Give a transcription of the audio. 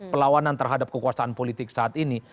pelawanan terhadap kekuasaan politik saat ini